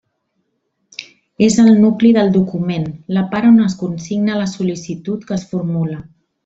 És el nucli del document, la part on es consigna la sol·licitud que es formula.